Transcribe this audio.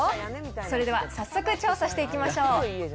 それでは早速、調査していきましょう。